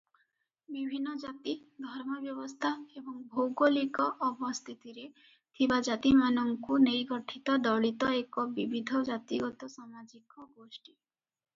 ବିଭିନ୍ନ ଜାତି, ଧର୍ମ ବ୍ୟବସ୍ଥା ଏବଂ ଭୌଗୋଳିକ ଅବସ୍ଥିତିରେ ଥିବା ଜାତିମାନଙ୍କୁ ନେଇ ଗଠିତ ଦଳିତ ଏକ ବିବିଧ ଜାତିଗତ ସାମାଜିକ ଗୋଷ୍ଠୀ ।